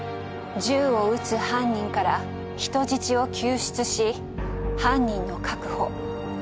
銃を撃つ犯人から人質を救出し犯人の確保。